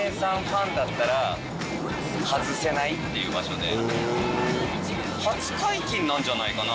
ファンだったら外せないっていう場所で。